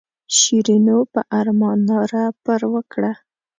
شیرینو په ارمان ناره پر وکړه.